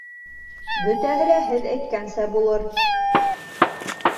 Бөтәһе лә һеҙ әйткәнсә булыр...